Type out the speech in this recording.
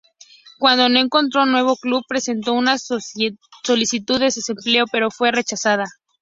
Cuando no encontró nuevo club, presentó una solicitud de desempleo, pero fue rechazada.